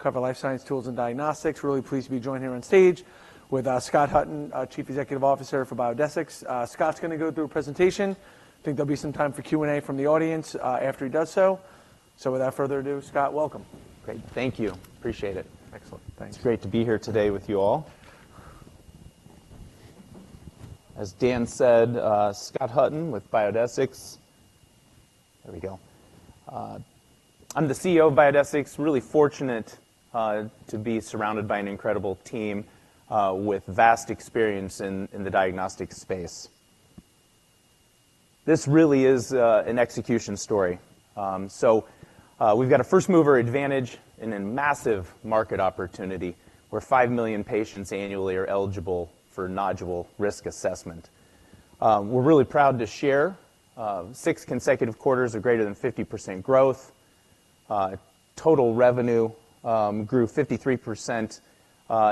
Cover life science tools and diagnostics. Really pleased to be joined here on stage with Scott Hutton, Chief Executive Officer for Biodesix. Scott's gonna go through a presentation. I think there'll be some time for Q&A from the audience after he does so. So, without further ado, Scott, welcome. Great. Thank you. Appreciate it. Excellent. Thanks. It's great to be here today with you all. As Dan said, Scott Hutton with Biodesix. There we go. I'm the CEO of Biodesix, really fortunate to be surrounded by an incredible team with vast experience in the diagnostics space. This really is an execution story. We've got a first-mover advantage and a massive market opportunity, where 5 million patients annually are eligible for nodule risk assessment. We're really proud to share 6 consecutive quarters of greater than 50% growth. Total revenue grew 53%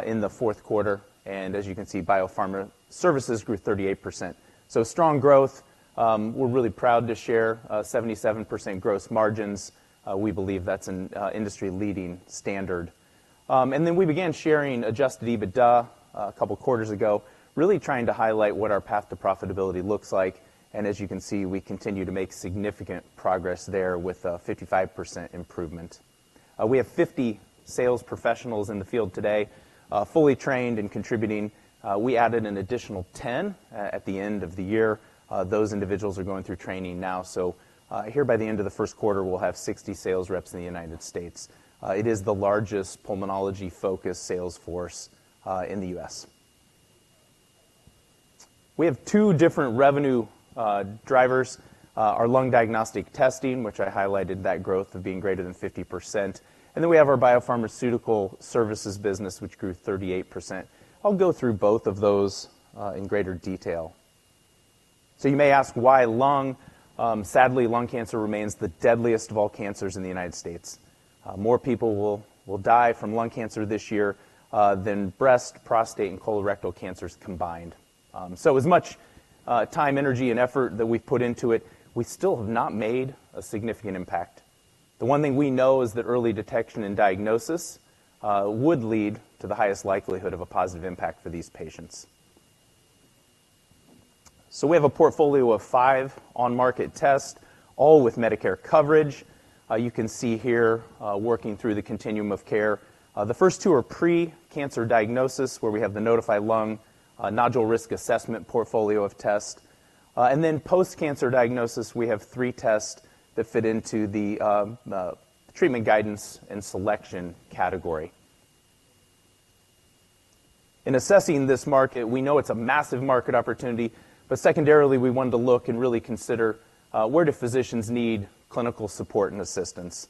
in the fourth quarter, and as you can see, biopharma services grew 38%. So strong growth. We're really proud to share 77% gross margins. We believe that's an industry-leading standard. And then we began sharing Adjusted EBITDA a couple of quarters ago, really trying to highlight what our path to profitability looks like, and as you can see, we continue to make significant progress there with a 55% improvement. We have 50 sales professionals in the field today, fully trained and contributing. We added an additional 10 at the end of the year. Those individuals are going through training now. So, here by the end of the first quarter, we'll have 60 sales reps in the United States. It is the largest pulmonology-focused sales force in the U.S. We have two different revenue drivers, our lung diagnostic testing, which I highlighted that growth of being greater than 50%, and then we have our biopharmaceutical services business, which grew 38%. I'll go through both of those in greater detail. So you may ask why lung? Sadly, lung cancer remains the deadliest of all cancers in the United States. More people will die from lung cancer this year than breast, prostate, and colorectal cancers combined. So, as much time, energy, and effort that we've put into it, we still have not made a significant impact. The one thing we know is that early detection and diagnosis would lead to the highest likelihood of a positive impact for these patients. So we have a portfolio of five on-market test, all with Medicare coverage. You can see here, working through the continuum of care. The first two are pre-cancer diagnosis, where we have the Nodify Lung nodule risk assessment portfolio of tests. Then post-cancer diagnosis, we have three tests that fit into the treatment guidance and selection category. In assessing this market, we know it's a massive market opportunity, but secondarily, we wanted to look and really consider where do physicians need clinical support and assistance?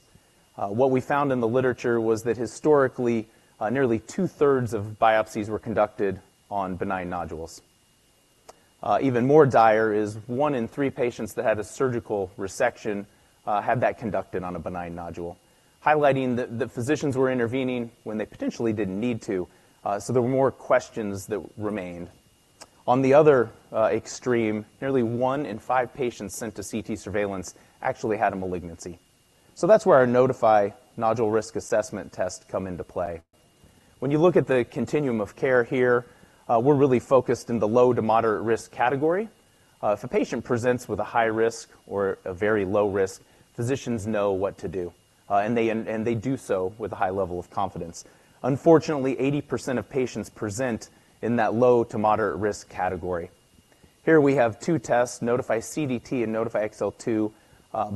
What we found in the literature was that historically nearly two-thirds of biopsies were conducted on benign nodules. Even more dire is one in three patients that had a surgical resection had that conducted on a benign nodule, highlighting that the physicians were intervening when they potentially didn't need to, so there were more questions that remained. On the other extreme, nearly one in five patients sent to CT surveillance actually had a malignancy. So that's where our Nodify nodule risk assessment test come into play. When you look at the continuum of care here, we're really focused in the low to moderate risk category. If a patient presents with a high risk or a very low risk, physicians know what to do, and they do so with a high level of confidence. Unfortunately, 80% of patients present in that low to moderate risk category. Here we have two tests, Nodify CDT and Nodify XL2,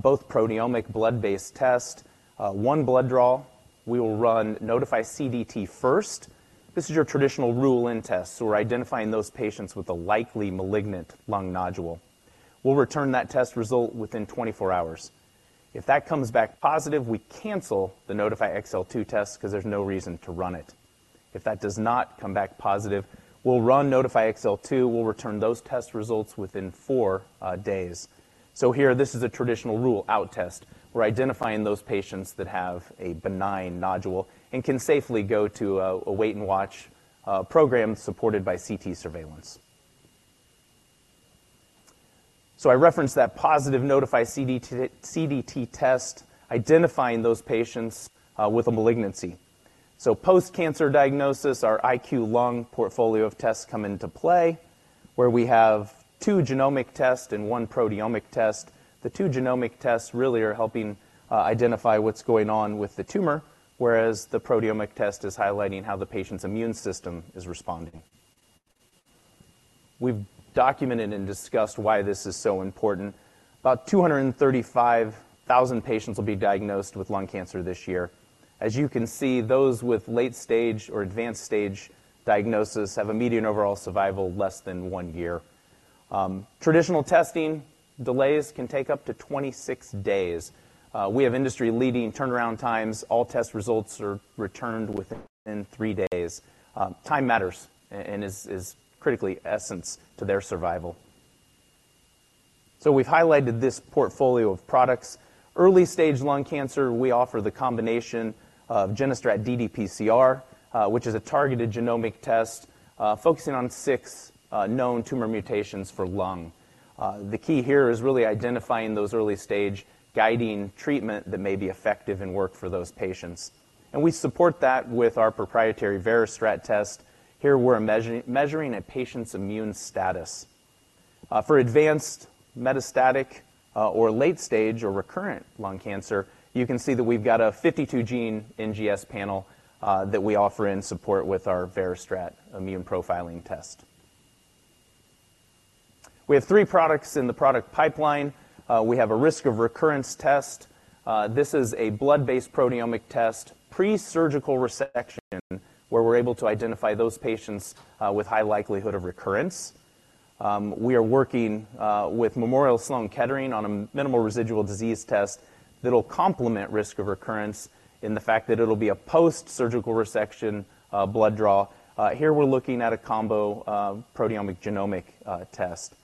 both proteomic blood-based test, one blood draw. We will run Nodify CDT first. This is your traditional rule-in test, so we're identifying those patients with a likely malignant lung nodule. We'll return that test result within 24 hours. If that comes back positive, we cancel the Nodify XL2 test because there's no reason to run it. If that does not come back positive, we'll run Nodify XL2. We'll return those test results within four days. So here, this is a traditional rule-out test. We're identifying those patients that have a benign nodule and can safely go to a wait and watch program supported by CT surveillance. So I referenced that positive Nodify CDT, CDT test, identifying those patients with a malignancy. So post-cancer diagnosis, our IQLung portfolio of tests come into play, where we have two genomic tests and one proteomic test. The two genomic tests really are helping identify what's going on with the tumor, whereas the proteomic test is highlighting how the patient's immune system is responding. We've documented and discussed why this is so important. About 235,000 patients will be diagnosed with lung cancer this year. As you can see, those with late-stage or advanced stage diagnosis have a median overall survival less than 1 year. Traditional testing delays can take up to 26 days. We have industry-leading turnaround times. All test results are returned within 3 days. Time matters and is critically essence to their survival. So we've highlighted this portfolio of products. Early-stage lung cancer, we offer the combination of GeneStrat ddPCR, which is a targeted genomic test, focusing on 6 known tumor mutations for lung cancer. The key here is really identifying those early stage, guiding treatment that may be effective and work for those patients. And we support that with our proprietary VeriStrat test. Here, we're measuring a patient's immune status. For advanced metastatic, or late stage, or recurrent lung cancer, you can see that we've got a 52 gene NGS panel, that we offer and support with our VeriStrat immune profiling test. We have three products in the product pipeline. We have a risk of recurrence test. This is a blood-based proteomic test, pre-surgical resection, where we're able to identify those patients, with high likelihood of recurrence. We are working, with Memorial Sloan Kettering on a minimal residual disease test that'll complement risk of recurrence in the fact that it'll be a post-surgical resection, blood draw. Here we're looking at a combo, proteomic/genomic, test.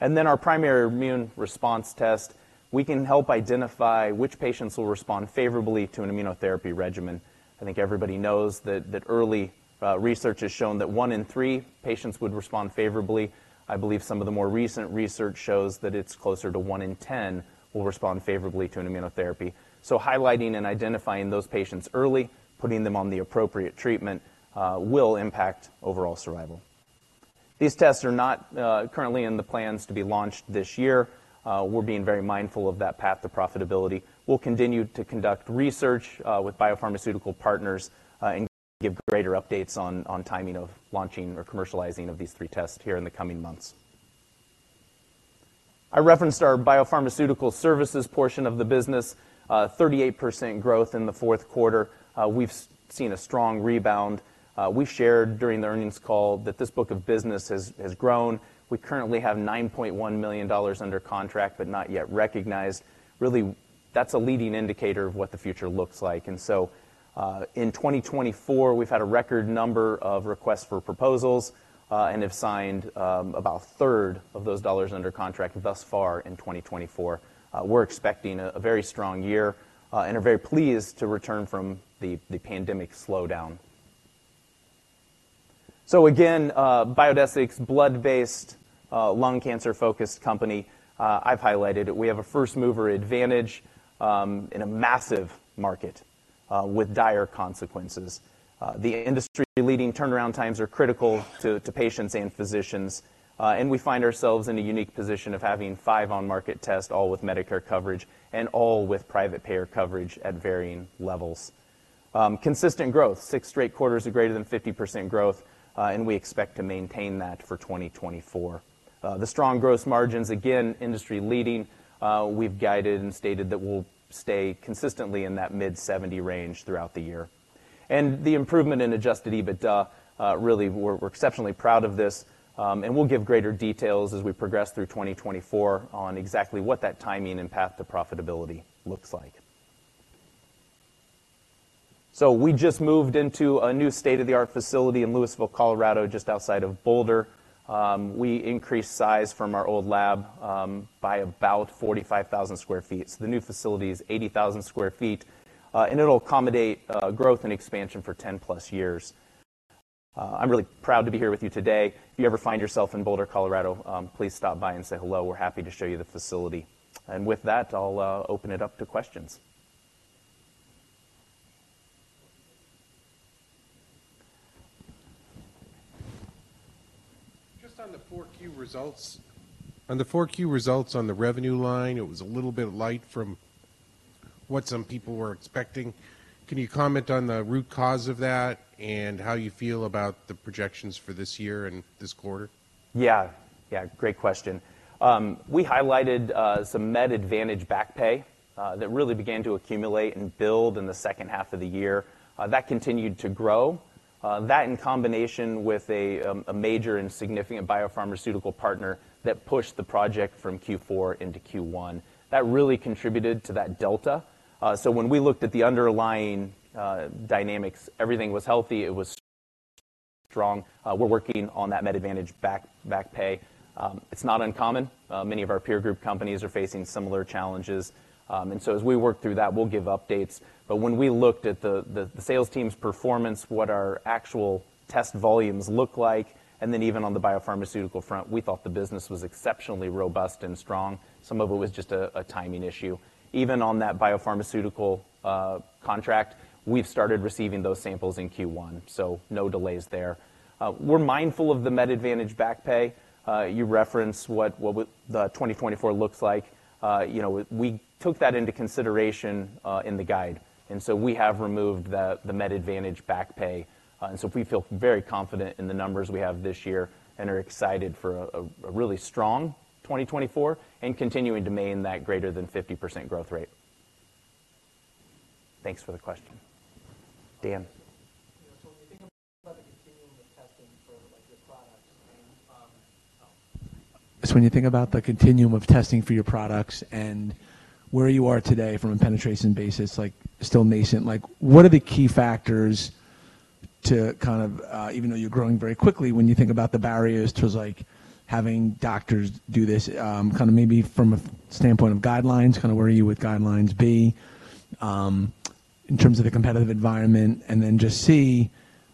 And then our primary immune response test, we can help identify which patients will respond favorably to an immunotherapy regimen. I think everybody knows that early research has shown that one in three patients would respond favorably. I believe some of the more recent research shows that it's closer to one in ten will respond favorably to an immunotherapy. So highlighting and identifying those patients early, putting them on the appropriate treatment, will impact overall survival. These tests are not currently in the plans to be launched this year. We're being very mindful of that path to profitability. We'll continue to conduct research with biopharmaceutical partners and give greater updates on timing of launching or commercializing of these three tests here in the coming months. I referenced our biopharmaceutical services portion of the business, 38% growth in the fourth quarter. We've seen a strong rebound. We shared during the earnings call that this book of business has grown. We currently have $9.1 million under contract, but not yet recognized. Really, that's a leading indicator of what the future looks like. So, in 2024, we've had a record number of requests for proposals, and have signed about a third of those dollars under contract thus far in 2024. We're expecting a very strong year, and are very pleased to return from the pandemic slowdown. So again, Biodesix is blood-based lung cancer-focused company. I've highlighted it. We have a first-mover advantage in a massive market with dire consequences. The industry-leading turnaround times are critical to patients and physicians, and we find ourselves in a unique position of having 5 on-market tests, all with Medicare coverage and all with private payer coverage at varying levels. Consistent growth, 6 straight quarters of greater than 50% growth, and we expect to maintain that for 2024. The strong growth margins, again, industry leading. We've guided and stated that we'll stay consistently in that mid-70 range throughout the year. The improvement in Adjusted EBITDA, really, we're exceptionally proud of this, and we'll give greater details as we progress through 2024 on exactly what that timing and path to profitability looks like. We just moved into a new state-of-the-art facility in Louisville, Colorado, just outside of Boulder. We increased size from our old lab by about 45,000 sq ft. The new facility is 80,000 sq ft, and it'll accommodate growth and expansion for 10+ years. I'm really proud to be here with you today. If you ever find yourself in Boulder, Colorado, please stop by and say hello. We're happy to show you the facility. With that, I'll open it up to questions. Just on the 4Q results. On the 4Q results on the revenue line, it was a little bit light from what some people were expecting. Can you comment on the root cause of that and how you feel about the projections for this year and this quarter? Yeah. Yeah, great question. We highlighted some Medicare Advantage back pay that really began to accumulate and build in the second half of the year. That continued to grow. That in combination with a major and significant biopharmaceutical partner that pushed the project from Q4 into Q1, that really contributed to that delta. So when we looked at the underlying dynamics, everything was healthy, it was strong. We're working on that Medicare Advantage back pay. It's not uncommon. Many of our peer group companies are facing similar challenges. And so as we work through that, we'll give updates. But when we looked at the sales team's performance, what our actual test volumes look like, and then even on the biopharmaceutical front, we thought the business was exceptionally robust and strong. Some of it was just a timing issue. Even on that biopharmaceutical contract, we've started receiving those samples in Q1, so no delays there. We're mindful of the Med Advantage back pay. You referenced what the 2024 looks like. You know, we took that into consideration in the guide, and so we have removed the Med Advantage back pay. And so we feel very confident in the numbers we have this year and are excited for a really strong 2024 and continuing to maintain that greater than 50% growth rate. Thanks for the question. Dan? So when you think about the continuum of testing for your products and where you are today from a penetration basis, like still nascent, like, what are the key factors to kind of, even though you're growing very quickly, when you think about the barriers towards like having doctors do this, kind of maybe from a standpoint of guidelines, kind of where are you with guidelines be?... in terms of the competitive environment, and then just see,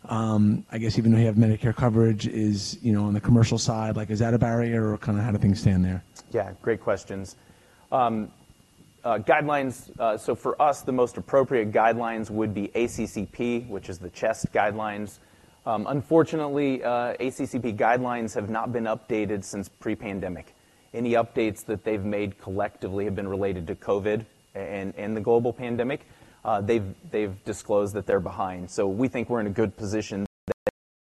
I guess even though you have Medicare coverage, is, you know, on the commercial side, like, is that a barrier or kind of how do things stand there? Yeah, great questions. Guidelines, so for us, the most appropriate guidelines would be ACCP, which is the chest guidelines. Unfortunately, ACCP guidelines have not been updated since pre-pandemic. Any updates that they've made collectively have been related to COVID and the global pandemic. They've disclosed that they're behind. So we think we're in a good position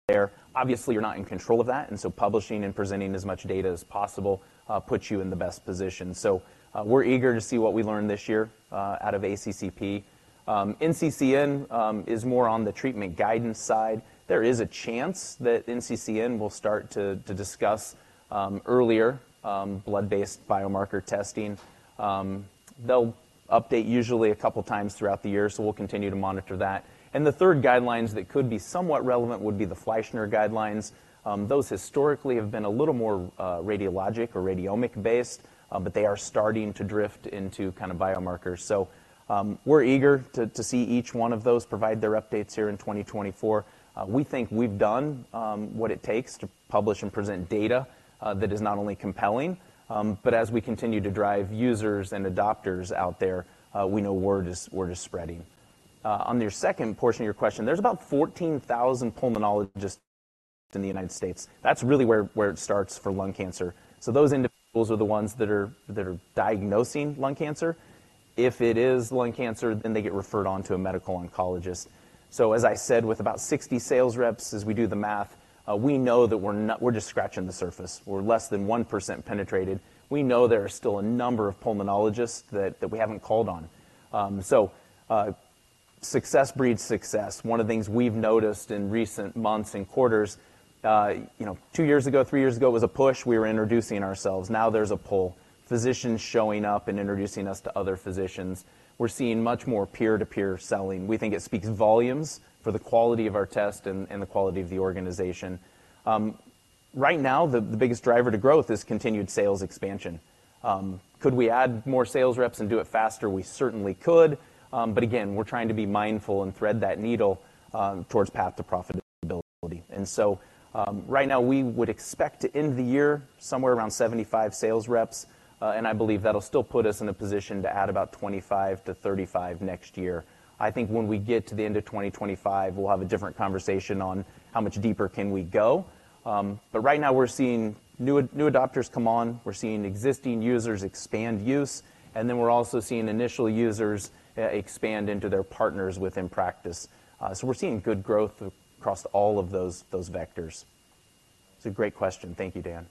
there. Obviously, you're not in control of that, and so publishing and presenting as much data as possible puts you in the best position. So, we're eager to see what we learn this year out of ACCP. NCCN is more on the treatment guidance side. There is a chance that NCCN will start to discuss earlier blood-based biomarker testing. They'll update usually a couple of times throughout the year, so we'll continue to monitor that. The third guidelines that could be somewhat relevant would be the Fleischner guidelines. Those historically have been a little more radiologic or radiomic based, but they are starting to drift into kind of biomarkers. So, we're eager to see each one of those provide their updates here in 2024. We think we've done what it takes to publish and present data that is not only compelling, but as we continue to drive users and adopters out there, we know word is, word is spreading. On your second portion of your question, there's about 14,000 pulmonologists in the United States. That's really where, where it starts for lung cancer. So those individuals are the ones that are, that are diagnosing lung cancer. If it is lung cancer, then they get referred on to a medical oncologist. So as I said, with about 60 sales reps, as we do the math, we know that we're not. We're just scratching the surface. We're less than 1% penetrated. We know there are still a number of pulmonologists that we haven't called on. So, success breeds success. One of the things we've noticed in recent months and quarters, you know, two years ago, three years ago, it was a push. We were introducing ourselves. Now there's a pull. Physicians showing up and introducing us to other physicians. We're seeing much more peer-to-peer selling. We think it speaks volumes for the quality of our test and the quality of the organization. Right now, the biggest driver to growth is continued sales expansion. Could we add more sales reps and do it faster? We certainly could. But again, we're trying to be mindful and thread that needle towards path to profitability. So, right now, we would expect to end the year somewhere around 75 sales reps, and I believe that'll still put us in a position to add about 25-35 next year. I think when we get to the end of 2025, we'll have a different conversation on how much deeper can we go. But right now we're seeing new adopters come on, we're seeing existing users expand use, and then we're also seeing initial users expand into their partners within practice. So we're seeing good growth across all of those vectors. It's a great question. Thank you, Dan.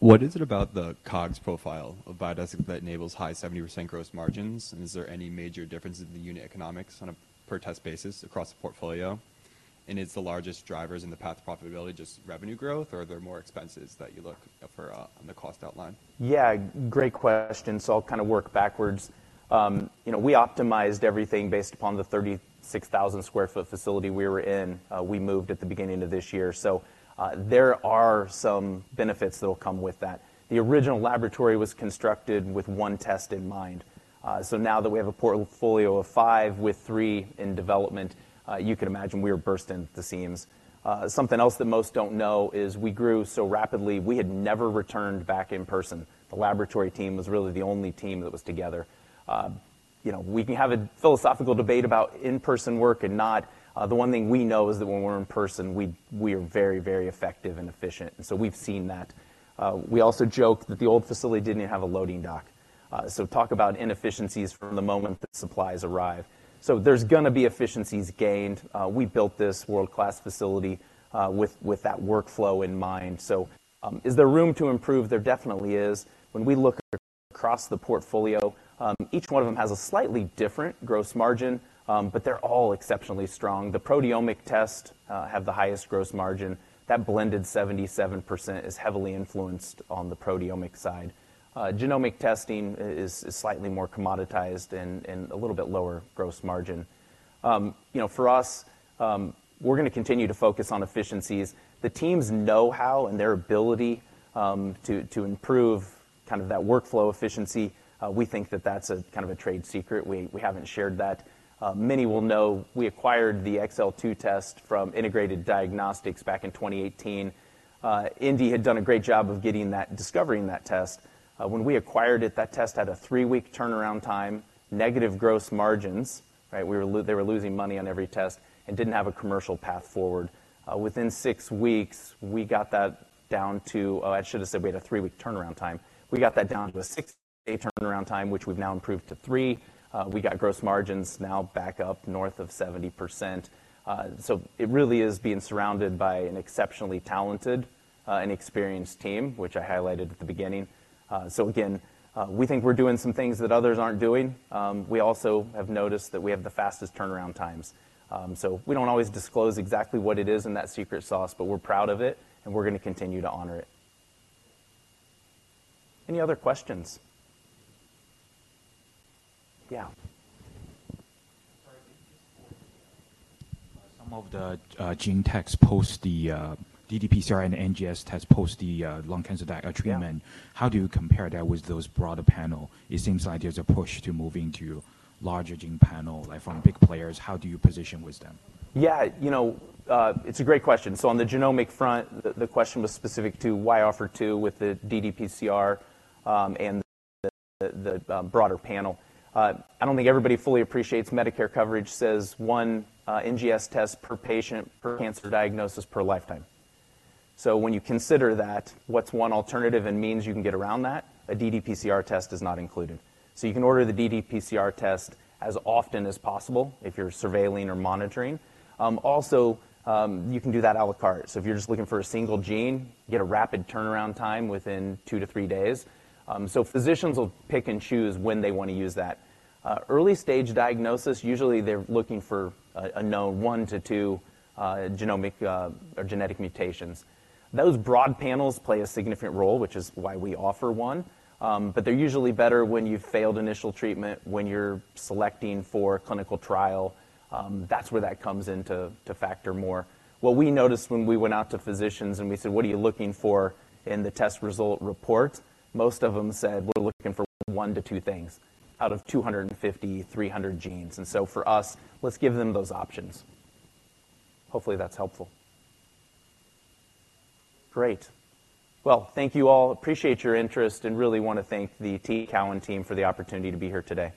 What is it about the COGS profile of Biodesix that enables high 70% gross margins? Is there any major difference in the unit economics on a per test basis across the portfolio? Is the largest drivers in the path to profitability just revenue growth, or are there more expenses that you look for on the cost outline? Yeah, great question. So I'll kind of work backwards. You know, we optimized everything based upon the 36,000 sq ft facility we were in, we moved at the beginning of this year. So, there are some benefits that will come with that. The original laboratory was constructed with one test in mind. So now that we have a portfolio of five with three in development, you can imagine we were bursting at the seams. Something else that most don't know is we grew so rapidly, we had never returned back in person. The laboratory team was really the only team that was together. You know, we can have a philosophical debate about in-person work and not. The one thing we know is that when we're in person, we are very, very effective and efficient, and so we've seen that. We also joked that the old facility didn't have a loading dock. So, talk about inefficiencies from the moment the supplies arrive. So, there's gonna be efficiencies gained. We built this world-class facility, with that workflow in mind. So, is there room to improve? There definitely is. When we look across the portfolio, each one of them has a slightly different gross margin, but they're all exceptionally strong. The proteomic test have the highest gross margin. That blended 77% is heavily influenced on the proteomic side. Genomic testing is slightly more commoditized and a little bit lower gross margin. You know, for us, we're gonna continue to focus on efficiencies. The teams' know-how and their ability to improve kind of that workflow efficiency, we think that that's a kind of a trade secret. We haven't shared that. Many will know we acquired the XL2 test from Integrated Diagnostics back in 2018. InDi had done a great job of discovering that test. When we acquired it, that test had a 3-week turnaround time, negative gross margins, right? They were losing money on every test and didn't have a commercial path forward. Within 6 weeks, we got that down to... Oh, I should have said we had a 3-week turnaround time. We got that down to a 6-day turnaround time, which we've now improved to 3. We got gross margins now back up north of 70%. So, it really is being surrounded by an exceptionally talented and experienced team, which I highlighted at the beginning. So again, we think we're doing some things that others aren't doing. We also have noticed that we have the fastest turnaround times. So, we don't always disclose exactly what it is in that secret sauce, but we're proud of it, and we're gonna continue to honor it. Any other questions? Yeah. Sorry, just some of the GeneStrat tests post the ddPCR and NGS test post the lung cancer treatment. Yeah. How do you compare that with those broader panels? It seems like there's a push to move into larger gene panels, like from big players. How do you position with them? Yeah, you know, it's a great question. So, on the genomic front, the question was specific to why offer two with the ddPCR, and the broader panel. I don't think everybody fully appreciates Medicare coverage, says 1 NGS test per patient, per cancer diagnosis, per lifetime. So, when you consider that, what's 1 alternative and means you can get around that? A ddPCR test is not included. So, you can order the ddPCR test as often as possible if you're surveilling or monitoring. Also, you can do that à la carte. So, if you're just looking for a single gene, get a rapid turnaround time within 2-3 days. So, physicians will pick and choose when they want to use that. Early-stage diagnosis, usually they're looking for a known 1-2 genomic or genetic mutations. Those broad panels play a significant role, which is why we offer one. But they're usually better when you've failed initial treatment, when you're selecting for clinical trial, that's where that comes into factor more. What we noticed when we went out to physicians and we said, "What are you looking for in the test result reports?" Most of them said, "We're looking for 1-2 things out of 250-300 genes." And so, for us, let's give them those options. Hopefully, that's helpful. Great. Well, thank you all. Appreciate your interest and really want to thank the T. Rowe team for the opportunity to be here today.